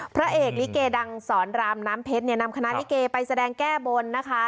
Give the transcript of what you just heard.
พระเอกลิเกดังสอนรามน้ำเพชรเนี่ยนำคณะลิเกไปแสดงแก้บนนะคะ